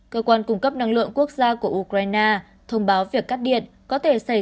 cơ quan cung cấp năng lượng quốc gia của ukraine thông báo việc cắt điện có thể xảy ra